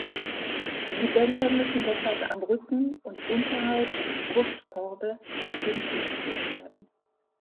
Die Bänder müssen deshalb am Rücken und unterhalb des Brustkorbes nach hinten geführt werden.